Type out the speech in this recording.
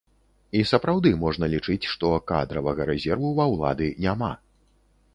І сапраўды можна лічыць, што кадравага рэзерву ва ўлады няма.